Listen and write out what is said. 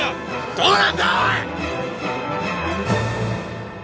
どうなんだおい！！